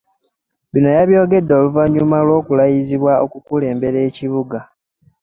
Bino abyogedde oluvannyuma lw'okulayizibwa okukulembera ekibuga.